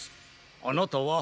あなたは？